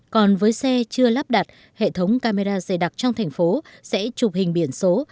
còn với xe chưa lắp đặt hệ thống camera dày đặc trong thành phố sẽ chụp hình biển số